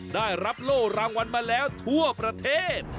ได้รับโล่รางวัลมาแล้วทั่วประเทศ